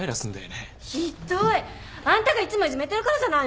ひっどい！あんたがいつもいじめてるからじゃないの！？